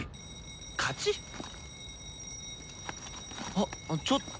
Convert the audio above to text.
あっちょっと。